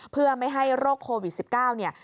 เพื่อไม่ให้โรคโควิด๑๙เนี่ย